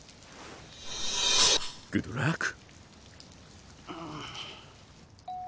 グッドラック！